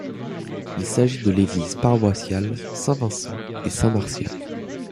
Il s'agit de l'église paroissiale Saint-Vincent et Saint-Martial.